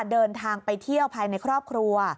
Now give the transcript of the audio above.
เดินทางไปเที่ยวภายในครอบครัว